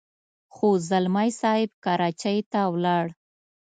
خو ځلمی صاحب کراچۍ ته ولاړ.